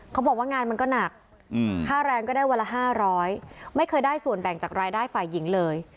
เขาบอกว่างานมันก็หนักค่าแรงก็ได้วันละ๕๐๐ไม่เคยได้ส่วนแบ่งจากรายได้ฝ่ายหญิงเลย